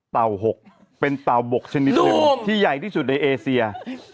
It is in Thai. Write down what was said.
เต่า๖เป็นเต่าบกชนิดหนึ่งที่ใหญ่ที่สุดในเอเซีย